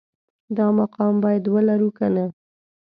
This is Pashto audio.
دا مقام باید ولرو که نه